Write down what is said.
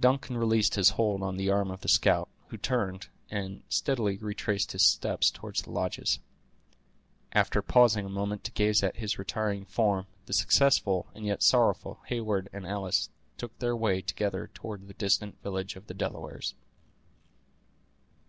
Duncan released his hold on the arm of the scout, who turned, and steadily retraced his steps toward the lodges. After pausing a moment to gaze at his retiring form, the successful and yet sorrowful Heyward and Alice took their way together toward the distant village of the Delawares.